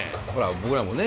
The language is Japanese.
僕らもね